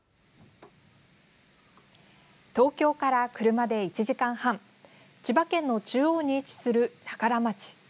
東京から車で１時間半千葉県の中央に位置する長柄町。